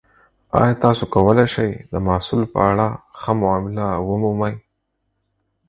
ایا تاسو کولی شئ د محصول په اړه ښه معامله ومومئ؟